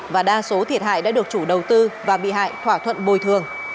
và đa số thiệt hại đã được chủ đầu tư và bị hại thỏa thuận bồi thường